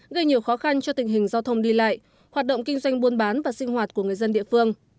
gây nhiều khó khăn cho tình hình giao thông đi lại hoạt động kinh doanh buôn bán và sinh hoạt của người dân địa phương